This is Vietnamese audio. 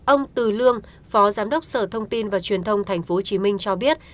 ông từ lương phó giám đốc sở thông tin và truyền thông tp hcm cho biết